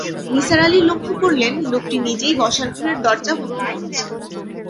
নিসার আলি লক্ষ করলেন, লোকটি নিজেই বসার ঘরের দরজা বন্ধ করছে।